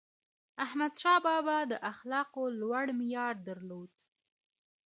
احمدشاه بابا د اخلاقو لوړ معیار درلود.